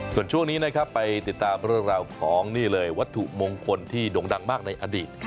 ส่วนช่วงนี้นะครับไปติดตามเรื่องราวของนี่เลยวัตถุมงคลที่ด่งดังมากในอดีต